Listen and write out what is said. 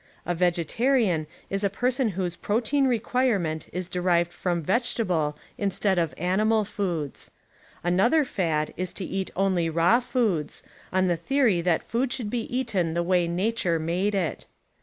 A vegetarian is a per son whose protein requirement is derived from vegetable in _. stead of animal foods. Another fad is to eat only „,■' raw foods, on the theory that food should be eaten the way nature made it.